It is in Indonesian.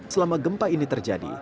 selama gempa ini terjadi